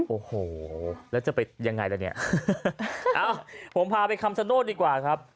โอ้โหแล้วจะไปยังไงล่ะเนี่ยเอ้าผมพาไปคำชโนธดีกว่าครับ